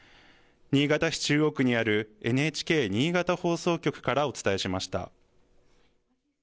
新潟市中央区にあるＮＨＫ新潟放送局からお伝えしました。